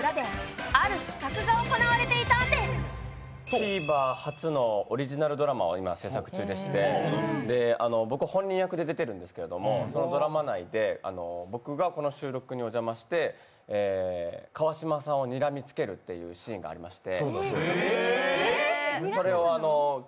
ＴＶｅｒ初のオリジナルドラマを今制作中でして、そのドラマ内で、僕がこの収録にお邪魔して、川島さんをにらみつけるというシーンがありまして。